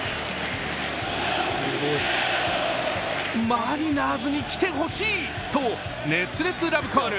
マリナーズに来てほしいと熱烈ラブコール。